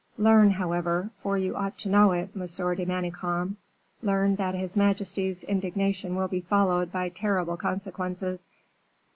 "Learn, however for you ought to know it, Monsieur de Manicamp learn that his majesty's indignation will be followed by terrible consequences.